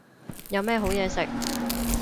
有咩好嘢食